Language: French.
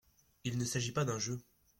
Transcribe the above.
Il ne s’agit pas d’un jeu.